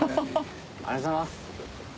ありがとうございます。